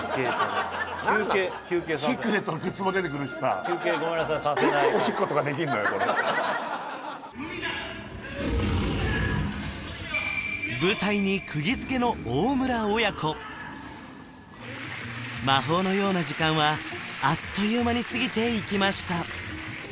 何なのシークレットのグッズも出てくるしさ休憩ごめんなさいさせない感じ舞台にくぎづけの大村親子魔法のような時間はあっという間に過ぎていきました